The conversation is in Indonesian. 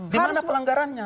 di mana pelanggarannya